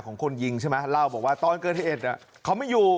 ของคนยิงใช่ไหมเล่าบอกว่าตอนเกิดที่เอ็ดอ่ะเขาไม่อยู่